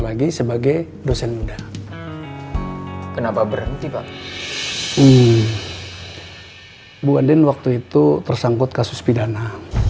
lagi sebagai dosen muda kenapa berhenti pak bu adin waktu itu tersangkut kasus pidana